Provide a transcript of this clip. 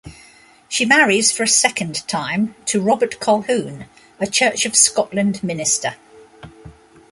She marries for a second time to Robert Colquhoun, a Church of Scotland minister.